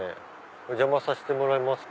お邪魔させてもらいますか。